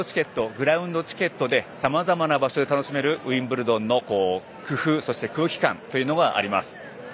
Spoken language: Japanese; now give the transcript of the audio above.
グラウンドチケットでさまざまな場所で楽しめるウィンブルドンの工夫そして空気感というのがあります。